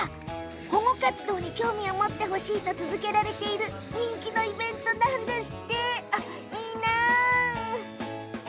保護活動に興味を持ってほしいと続けられている人気のイベントです。